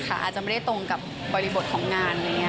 อาจจะไม่ได้ตรงกับปรีบทของงาน